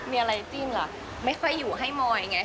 มีอะไรจิ้นล่ะไม่ค่อยอยู่ให้มอยไง